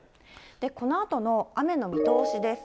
このあとの雨の見通しです。